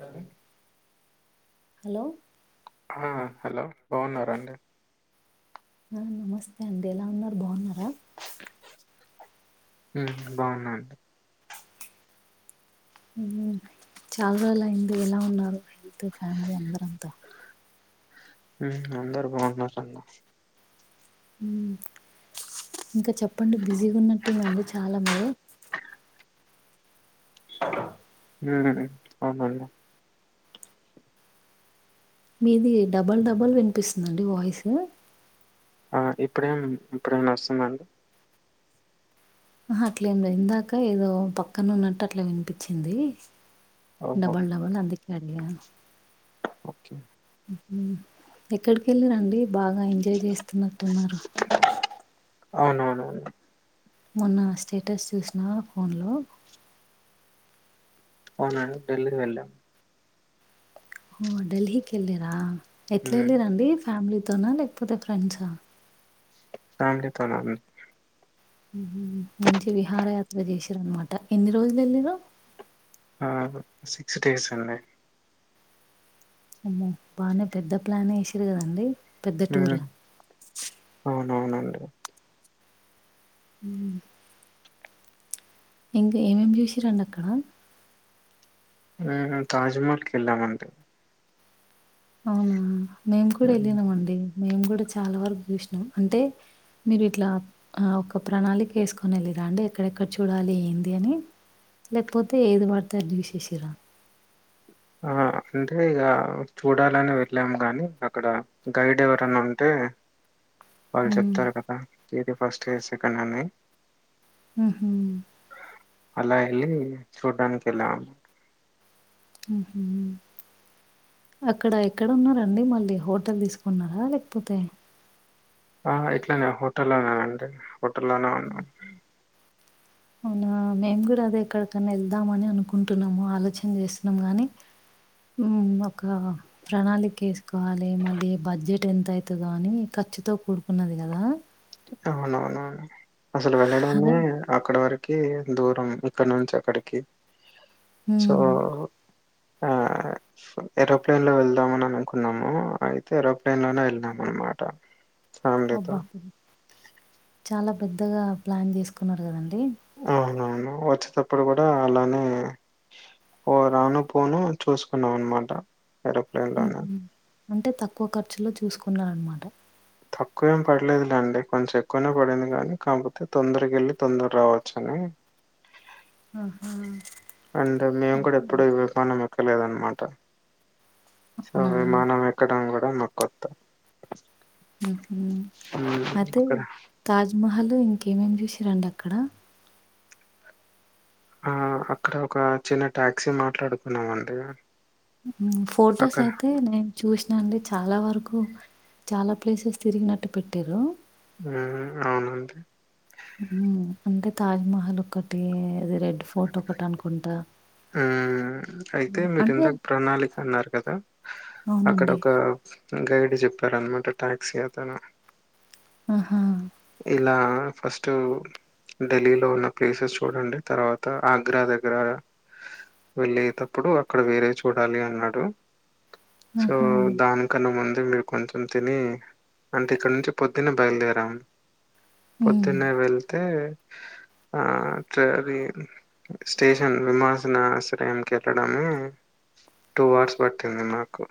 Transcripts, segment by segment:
Done hello ఆ! Hello బాగున్నారండి? [unintelligible] నమస్తే అండి ఎలా ఉన్నారు బాగున్నారా మ్మ్ బాగున్నాండి చాలా రోజులు అయింది ఎలా ఉన్నారు హెల్త్ ఫ్యామిలీ అందరంతా అందరు బాగున్నారు సందా ఇంకా చెప్పండి బిజీగా ఉన్నట్టునారు చాలా మే మ్మ్ అవునండి మీది డబల్ డబల్ వినిపిస్తుందిండి వాయిస్ ఆ ఇప్పుడేం ఇప్పుడేనా వస్తుందండి ఆహా అట్లేం లేదు ఇందాక ఏదో పక్కన ఉన్నట్టు అట్లా వినిపించింది ఓహో! డబల్ డబల్ అందికి అండియా ఓకే ఉమ్ ఎక్కడికి వెళ్ళిం రండి బాగా ఎంజాయ్ చేస్తున్నట్టున్నారు. అవునవును. మొన్న స్టేటస్ చూసిన ఫోన్లో. అవునండి ఢిల్లీకి వెళ్ళాం. ఓ ఢిల్లీకి వెళ్లిండ్రా ఎట్లా హ్మ్. వెళ్ళింరండి ఫ్యామిలీతోనా లేకపోతే ఫ్రెండ్సా. ఫ్యామిలీతోనండి. ఉమ్ మంచి విహారయాత్ర చేశింరనమాట ఎన్ని రోజులు వెళ్ళిండ్రు. ఆహ్ సిక్స్ డేస్ అండి. ఆహ్ బానే పెద్ద ప్లానే వేసీండ్రు కదండి. ఉమ్ అవునవునండి. ఉమ్. ఇంకా ఏమేమి చూసిరండి అక్కడ. ఆహ్ తాజ్మహల్కి వెళ్ళామండి అవునా మేము కూడా హ్మ్. వెళ్ళినాం అండి మేము కూడా చాలా వరకు చూసినాం అంటే. మీరు ఇట్లా ఆహ్ ఒక ప్రణాళిక వేసుకొని వెళ్ళిండ్రా అండి ఎక్కడెక్కడ చూడాలి ఏంది అని. లేకపోతే ఏది వాడితే అది చూసేసిండ్రా. ఆహ్ అంటే ఇక చూడాలని వెళ్ళాము గాని అక్కడ. గైడ్ ఎవరన్నా ఉంటే. వాళ్ళు హ్మ్. చెప్తారు కదా ఏది ఫస్ట్ ఏది సెకండ్ అని. ఉమ్. అలా వెళ్ళి చూడ్డానికి వెళ్ళాము. ఉమ్. అక్కడ ఎక్కడ ఉన్నారండి మళ్ళీ హోటల్ తీసుకున్నారా లేకపోతే. ఆహ్ ఇట్లానే హోటల్లోనేనండి హోటల్లోనే ఉన్నాం. అవునా మేము కూడా అదే ఎక్కడికన్నా వెళ్దాము అని అనుకుంటున్నాము ఆలోచన చేస్తున్నాము గానీ. ఉమ్ ఒకవ ప్రణాళిక వేసుకోవాలి మళ్ళీ బడ్జెట్ ఎంత అయితదో అని ఖర్చుతో కూడుకున్నది కదా. అవునవునవును అసలు అదే వెళ్ళడమే. అక్కడ వరకి దూరం ఇక్కడ నుంచి అక్కడికి. హ్మ్. ఆహ్. ఏరోప్లేన్ లో వెళ్దామని అనుకున్నాము అయితే ఏరోప్లేన్ లోనే వెళ్లినం అనమాట. ఫ్యామిలీతో అబ్బా చాలా పెద్దగా ప్లాన్ చేసుకున్నారు కాదండి. అవునవును వచ్చేటప్పుడు కూడా అలానే. ఓ రాను పోను చూసుకున్నాం అనమాట. ఏరోప్లేన్ లోనే ఉహూ అంటే తక్కువ ఖర్చులో చూసుకున్నారు అనమాట. తక్కువ ఏం పడలేదులేండి కొంచెం ఎక్కువనే పడింది గానీ కాకపోతే తొందరగ వెళ్ళి తొందర రావచ్చ అని. ఆహా. అండ్ మేము అంటే కూడా ఎప్పుడు విమానం ఎక్కలేదు అనమాట సో అవునా! విమానం ఎక్క. ఎక్కడం కూడా మాకు కొత్త. ఉహూ మ్మ్ అయితే అక్కడ తాజ్మహల్ ఇంకేమేమి చూసింరండి అక్కడ. ఆహ్ అక్కడ ఒక చిన్న టాక్సీ మాట్లాడుకున్నామండి. ఉమ్ ఫోటోస్ అక్కడ అయితే నేను. చూసినా అండి చాలా వరకు చాలా ప్లేసెస్ తిరిగినట్టు పెట్టేరు. ఆ అవునండి ఊ అంటే తాజ్మహల్ ఒకటి అది రెడ్ ఫోర్ట్ ఒకటి అనుకుంటా ఆ అయితే మీరిందాక ప్రణాళిక అన్నారు కదా అక్కడ అవునండి. ఒక గైడ్ చెప్పారన్నమాట టాక్సీ అతను ఆహా ఇలా ఫస్టు ఢిల్లీలో ఉన్న ప్లేసెస్ చూడండి తర్వాత ఆగ్రా దగ్గర వెళ్ళేటప్పుడు అక్కడ వేరే చూడాలి అన్నాడు సో ఆహా! దాని కన్నా ముందే మేం కొంచెం తిని అంటే ఇక్కడ నుంచి పొద్దున్న బయలుదేరాం హ్మ్. పొద్దున్నే వెళ్తే ఆ దారి స్టేషన్ విమాశనాశ్రయంకి వెళ్ళడము టూ అవర్స్ పట్టింది నాకు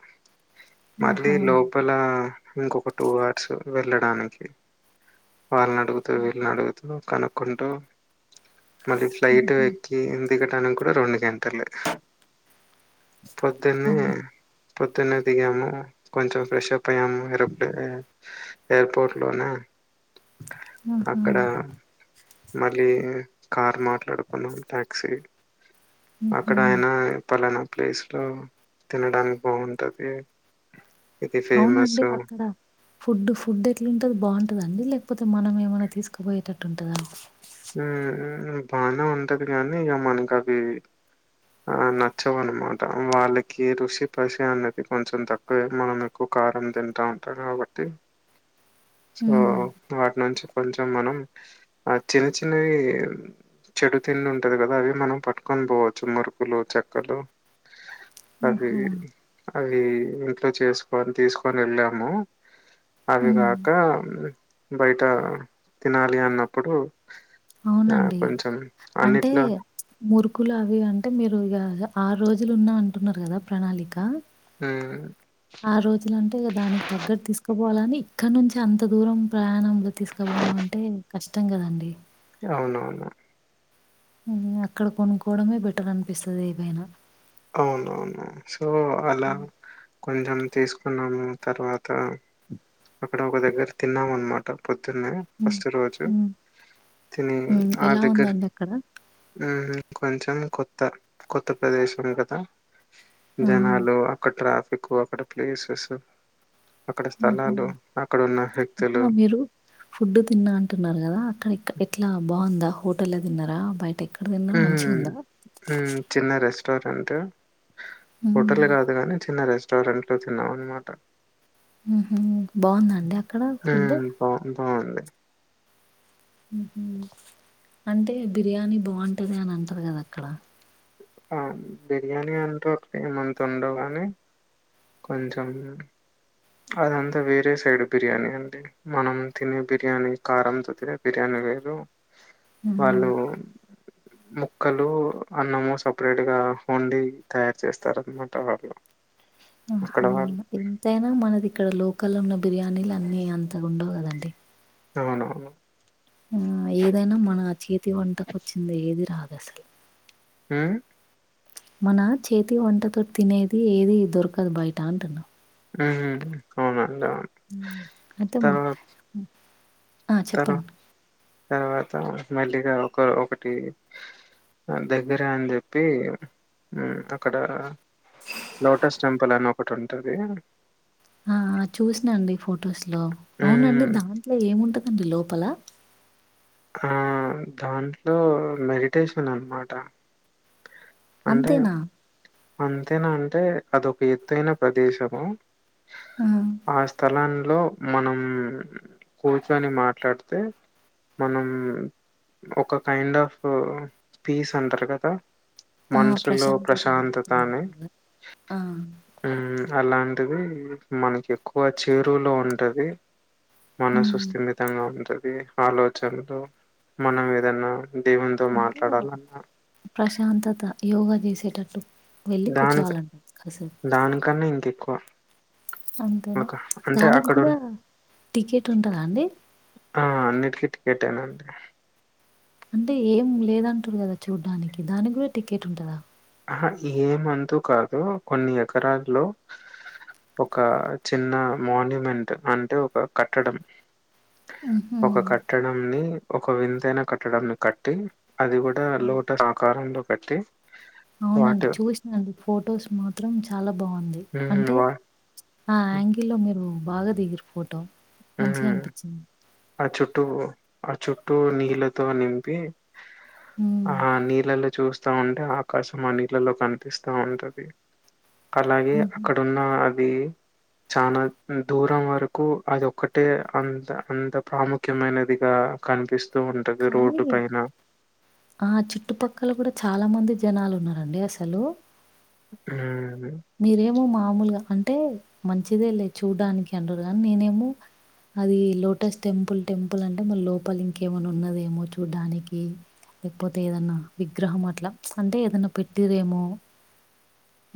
మళ్ళీ లోపల ఇంకొక టూ ఆర్సు వెళ్ళడానికి వాళ్నాడుగుతూ వీళ్నాడుగుతూ కనుక్కుంటూ మళ్ళీ ఫ్లైటు ఎక్కి దిగడానికి కూడా రెండు గంటలు పొద్దున్నే అవును. పొద్దునే దిగాము కొంచెం ఫ్రెషప్ అయ్యాము ఎరోప్లే ఎయిర్పోర్ట్ లోను ఆహా! అక్కడ మళ్ళీ కార్ మాట్లాడుకున్నాం టాక్సీ హుహు. అక్కడాయనా ఫలానా ప్లేస్ లో తినడానికి బాగుంటది ఇది ఫేమస్ అవునండి అక్కడ ఫుడ్ ఫుడ్ ఎట్లుంటది బాంటదా అండి లేకపోతే మనమేమైనా తీస్కపోయేటట్టుంటదా హూ ఊహు బానే ఉంటది గానీ ఇంగ మనకవి ఆ నచ్చవన్నమాట వాళ్ళకి ఋషి పసి అనేది కొంచెం తక్ వే మనం ఎక్కువ కారం తింటా ఉంటాం కాబట్టి సో హ్మ్. వాటి నుంచి కొంచెం మనం ఆ చిన్న చిన్నవి చెడు తిండి ఉంటది కదా అవి మనం పట్టుకొని పోవచ్చు మురుకులు చెక్కలు అది ఆహా! అవి ఇంట్లో చేస్కొని తీస్కొని వెళ్ళాము అవిగా హ్మ్. క బయట తినాలి అన్నప్పుడు ఆ అవునండి. కొంచెం అంటే అన్నిట్లో మురుకులు అవి అంటే మీరు ఇగ ఆర్ రోజులు ఉన్నా అంటున్నారు కదా ప్రణాళిక ఊ ఆర్ రోజులు అంటే ఇగ దానికి తగ్గట్ తీస్కపోవాలని ఇక్కడ నుంచి అంత దూరం ప్రయాణంలో తీస్ తీస్కపోవడమంటే కష్టం కదండి అవునవును హూ అక్కడ కొనుక్కోవడమే బెటర్ అనిపిస్తది ఏమైన అవునవును సో అలా కొంచెం తీస్కున్నాము తర్వాత అక్కడ ఒక దగ్గర తిన్నామన్మాట పొద్దున్నే హ్మ్. ఫస్ట్ రోజు హ్మ్. తిని హ్మ్. ఆ ఎలా దగ్గర ఉందండి అక్కడ? ఊ కొంచెం కొత్త కొత్త ప్రదేశం కదా ఆ! జనాలు అక్కడ ట్రాఫిక్కు అక్కడ ప్లేసెస్సు అక్కడ ఆహా! స్థలాలు అక్కడున్న వ్యక్తులు ఆహా! మీరు ఫుడ్ తిన్నా అంటున్నారు కదా అక్కడ ఎక్ ఎట్లా బాగుందా హోటల్ లో తిన్నారా బయట ఎ ఊ ఊ చిన్న రెస్టారెంటు హోటల్ లో హ్మ్. కాదు కాని చిన్న రెస్టారెంట్ లో తిన్నాం అన్నమాట ఉహు బాగుంద అండి అక్కడ ఫుడ్ బావుంది బాగుంది ఉహు అంటే బిర్యానీ బాగుంటది అని అంటారు కదా అక్కడ ఆ బిర్యానీ అంటే ఒకటి ఏమంత ఉండవుగాని కొంచెం అదంతా వేరే సైడ్ బిర్యానీ అంతే మనం తినే బిర్యానీ కారంతో తినే బిర్యానీ వేరు ఆ! వాళ్ళు ముక్కలు అన్నము సపరేట్ గా వండి తయారు చేస్తారన్నమాట వాళ్ళు అక్కడ ఆహా వాళ్ళు ఎంతైనా మనది ఇక్కడ లోకల్ ఉన్న బిర్యానీలు అన్ని అంతగా ఉండవు కదండీ అవునవును ఆ ఏదైనా మన చేతి వంటకు వచ్చింది ఏది రాదు అసలు ఉ మన చేతి వంటతో తినేది ఏది దొరకదు బయట అంటున్నా ఉహు అవునండి అవును అద్దము తర్వాత తర్వా తర్వాత మెల్లిగా ఒక ఒకటి దగ్గర అని చెప్పి ఉ అక్కడ లోటస్ టెంపుల్ అని ఒకటి ఉంటది ఆ ఆ చూసినండి ఫొటోస్ లో అవునండి ఉమ్ దాంట్లో ఏముంటదండి లోపల ఆ దాంట్లో మెడిటేషన్ అనమాట అంతేనా అంతేనా అంటే అదొక ఎతైనా ప్రదేశము ఆ స్థలాంలో మనం కూర్చొని మాట్లాడితే మనం ఒక కైండ్ ఆఫ్ పీస్ అంటారు కదా ఆ! మనసులో ప్రశాంతత ప్రశాంత అని దొరుకుతదంటారు గదా! ఆ ఉమ్ అలాంటిది మనకి ఎక్కువ చేరువులో ఉంటది మనసు హ్మ్. స్థిమితంగా ఉంటది ఆలోచనలో మనం ఏదన్నా దేవుతో అంటే మాట్లాడాలన్నా ప్రశాంతత యోగా చేసేటట్టు వెళ్ళి దానిక కూర్చోవాలంట కాసేపు దానికన్నా ఇంకెక్కువ అంతేనా ఒక అంటే దానికి అక్కడ కూడా ఉన్ టికెట్ ఉంటదా అండి ఆ అన్నిటికీ టికెట్ ఏ నండి అంటే ఏం లేదంటురు కదా చూడ్డానికి దానికి కూడా టికెట్ ఉంటదా ఆ ఏమంతు కాదు కొన్ని ఎకరాల్లో ఒక చిన్న మాన్యుమెంట్ అంటే ఒక కట్టడం హుహు. ఒక కట్టడం ని ఒక వింతైన కట్టడం ని కట్టి అది కూడా లోటర్ ఆకారంలో కట్టి అవునండి వాటర్ చూస్నా ఫొటోస్ మాత్రం చాలా బాగుంది హ్మ్ అంటే వా ఆ యాంగిల్ లో మీరు బాగా దిగురు పోటో ఉ చుట్టూ ఆ చుట్టూ నీళ్ళతో నింపి హ్మ్. ఆ నీలలో చూస్ వస్తా ఉంటే ఆకాశం ఆ నీళ్ళలో కనిపిస్తూ ఉంటది అలాగే హుహు. అక్కడ ఉన్న అవి చనా దూరం వరకు అదో ఒకటే అంత అంత ప్రాముఖ్యమైనదిగా కనిపిస్తూ ఉం కానీ ఆ చుట్టుపక్కల కూడా చాలా మంది జనాలున్నారండి అసలు ఊ ఉ మీరేమో మామూలుగా అంటే మంచిదే లే చూడ్డానికి అంటరు గానీ నేనేమో అది లోటస్ టెంపుల్ టెంపుల్ అంటే మలి లోపలి ఇంకేమన్న ఉన్నదేమో చూడ్డానికి లేకపోతే ఏదన్నా విగ్రహం అట్ల అంటే ఏదన్నా పెట్టిరేమో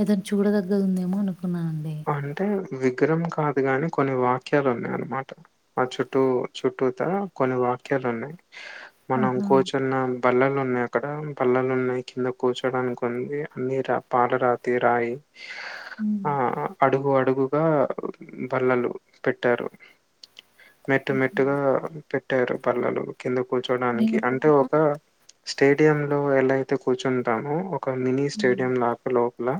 ఏదన చూడదగ్గదుందేమో అనుకున్నానండి అంటే విగ్రహం కాదు గాని కొన్ని వాక్యాలు ఉన్నాయి అన్నమాట ఆ చుట్టూ చుట్టూత కొన్ని వాక్యాలు ఉన్నాయి మనం ఆహా! కూర్చున్నాం బల్లలు ఉన్నాయి అక్కడ బల్లలు ఉన్నాయి కింద కూర్చోడానికి ఉంది అన్ని రా పాలరాతి రాయి ఉ ఆ అడుగు అడుగుగా బల్లలు పెట్టారు మెట్టు మెట్టుగా పెట్టారు పళ్లలు కింద కూర్చోడానికి అంటే నేనెప్పుడన్నా ఒక స్టేడియం లో ఎలయితే కూర్చుంటామో ఒక మినీ హ్మ్. స్టేడియం లాప లోపల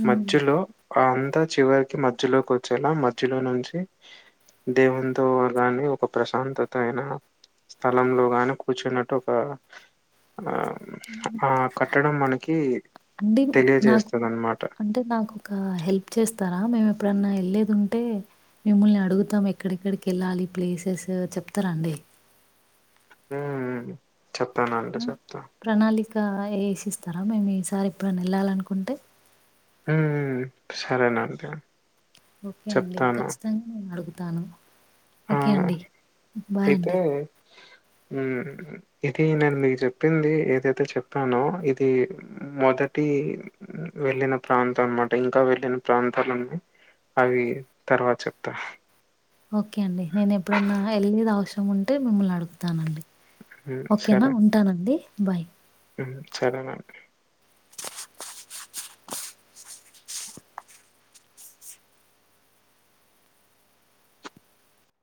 హ్మ్. మధ్యలో ఆ అంతా చివరికి మధ్యలోకి వచ్చేలా మధ్యలో నుంచి దేవుంతో గానీ ఒక ప్రశాంతత అయిన స్థలంలో గాని కూర్చున్నట్టు ఒక అ ఆ కట్టడం మనకీ తెలియజేస్తుంది అనమాట అంటె నాకు ఒక హెల్ప్ చేస్తారా మేము ఎప్పుడన్నా వెళ్ళేది ఉంటే మిమ్ముల్నడుగుతాం ఎక్కడెక్కడికెళ్ళాలి ప్లేసెస్ చెప్తారాండి ఉ ఊమ్ చెప్తానండి చెప్తా ప్రణాళిక ఏసిస్తారా మేము ఈసారి ఎప్పుడన్న ఏళ్ళాలనుకుంటే ఉ ఉ సరేనంతే ఓకే అండి ఖచ్చితంగ నేను అడుగుతాను ఆ ఓకే అండి బాయ్ అయితే అండి ఉ ఇది నేను మీక్ జెప్పింది ఏదైతే చెప్పానో ఇది మొదటి వెళ్ళిన ప్రాంతం మాట ఇంకా వెళ్ళిన ప్రాంతాలన్నీ అవి తర్వాత చెప్తా ఓకే అండి నేను ఎప్పుడన్నా ఎళ్ళేది అవసరం ఉంటే మిమ్మల్ని అడుగుతానండి హ్మ్. ఓకేనా ఉంటానండి బాయ్ ఉమ్ సరేనండి